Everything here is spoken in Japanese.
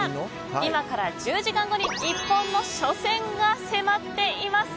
今から１０時間後に日本の初戦が迫っています。